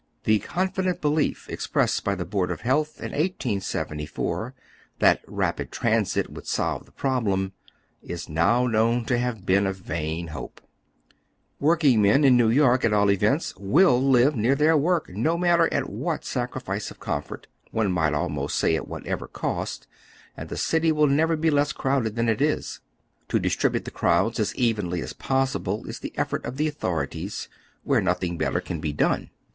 The "confident belief" expressed by the ,y Google 276 HCnv THE OTIIEK HALF LIVES. Board of Health in 1874, that rapid transit would solve the problem, is now known to have been a vain hope, Workingmen, in New York at all events, wili live near theii' work, no matter at what sacrifice of co^nfort — one might almost say at whatever cost, and tlie city will never be less crowded than it is. To distribute the crowds as evenly as possible is the effort of the authorities, where nothing better can be done.